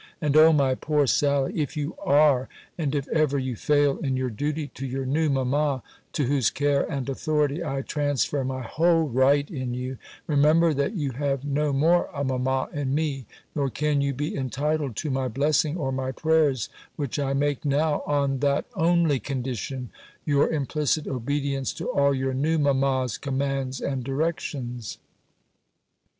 And, O my poor Sally! if you are, and if ever you fail in your duty to your new mamma, to whose care and authority I transfer my whole right in you, remember that you have no more a mamma in me, nor can you be entitled to my blessing, or my prayers, which I make now, on that only condition, your implicit obedience to all your new mamma's commands and directions.